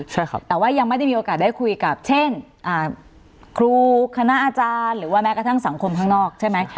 แต่ว่ายังไม่ได้มีโอกาสได้คุยกับคลูกคณะอาจารย์หรือแม้กระทั่งสังคมข้างนอกใช่ไหม